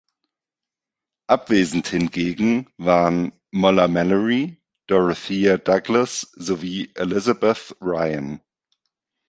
Abwesend hingegen waren Molla Mallory, Dorothea Douglass sowie Elizabeth Ryan.